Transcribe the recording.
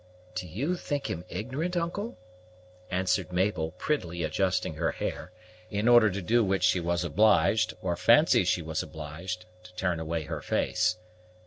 "Do you think him ignorant, uncle?" answered Mabel, prettily adjusting her hair, in order to do which she was obliged, or fancied she was obliged, to turn away her face.